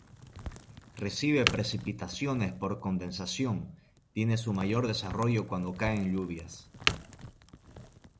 Recibe precipitaciones por condensación, tiene su mayor desarrollo cuando caen lluvias.